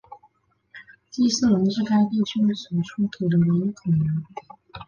斯基龙是该地区所出土的唯一恐龙。